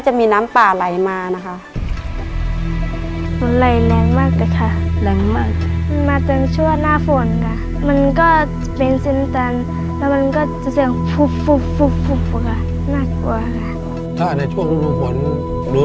ในแคมเปญพิเศษเกมต่อชีวิตโรงเรียนของหนู